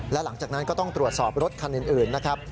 และหลังจากนั้นก็ต้องตรวจสอบรถคันอื่นนะครับ